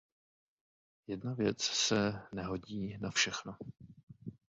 Jedna věc se nehodí na všechno.